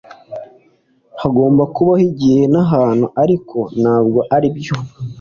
Hagomba kubaho igihe nahantu, ariko ntabwo aribyo.